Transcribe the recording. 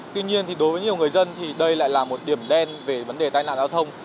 tuy nhiên đối với nhiều người dân thì đây lại là một điểm đen về vấn đề tai nạn giao thông